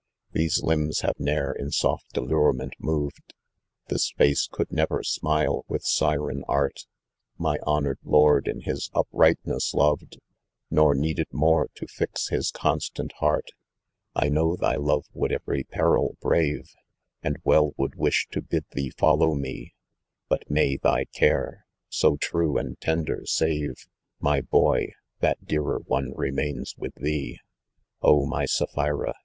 « These limbs have ne'er in soft allurement moved, This face could never smile with syren art, My honoured lord in his uprightness loved, Xor needed more to fi* his constant heart. Ul " 1 know *T I»ve would every peril brave, > « A " d We " ™ uM ^ to bid thee follow me, ^5 But may thy care, so true and tender, save % P M? ibol " « n « t dear « one remains with thee. ÂŁ « Oh t my Sapphira